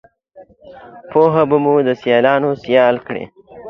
پوهه به مو دسیالانوسیال کړي